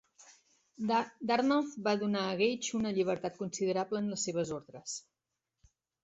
Dartmouth va donar a Gage una llibertat considerable en les seves ordres.